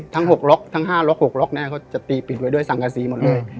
ทั้ง๖ล็อกทั้ง๕ล็อก๖ล็อกแน่เขาจะตีปิดไว้ด้วยสังกษีหมดเลย